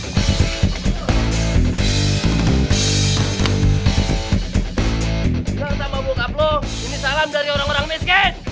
bisa tambah bokap lo ini salam dari orang orang miskin